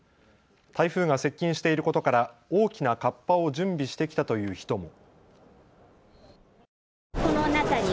台風が接近していることから大きなカッパを準備してきたという人も。